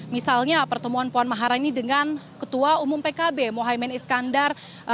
misalnya pertemuan puan maharani dengan ketua umum pkb mohaimin iskandar